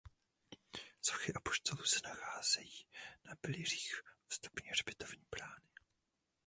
Sochy apoštolů se nacházejí na pilířích vstupní hřbitovní brány.